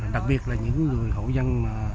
đặc biệt là những người hậu dân